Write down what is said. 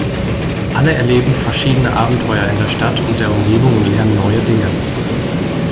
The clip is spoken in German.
Alle erleben verschiedene Abenteuer in der Stadt und der Umgebung und lernen neue Dinge.